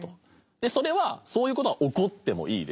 それはそういうことは起こってもいいですよね。